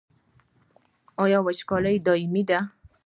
آیا وچکالي دایمي ده؟